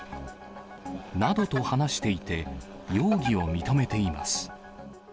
などと話していて、容疑を認めています。